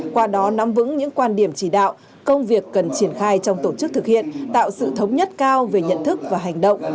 qua đó nắm vững những quan điểm chỉ đạo công việc cần triển khai trong tổ chức thực hiện tạo sự thống nhất cao về nhận thức và hành động